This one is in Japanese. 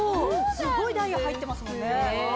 すごいダイヤ入ってますもんね。